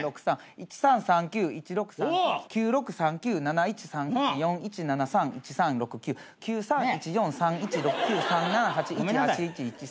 １３３９１６３８９６３９７１３１４１７３１３６９９３１４３１６９３７８１８１１３。